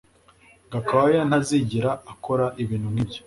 Gakwaya ntazigera akora ibintu nkibyo